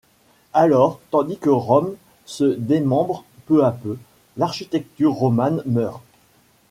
Alors, tandis que Rome se démembre peu à peu, l’architecture romane meurt.